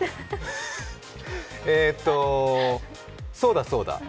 えーっと、そうだ、そうだ。